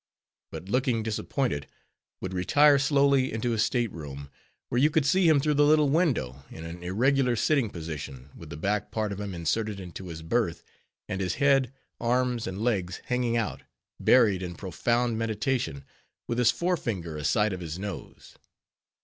But looking disappointed, would retire slowly into his state room, where you could see him through the little window, in an irregular sitting position, with the back part of him inserted into his berth, and his head, arms, and legs hanging out, buried in profound meditation, with his fore finger aside of his nose.